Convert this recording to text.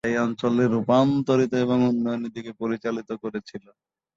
যা এই অঞ্চলের রূপান্তর এবং উন্নয়নের দিকে পরিচালিত করেছিল।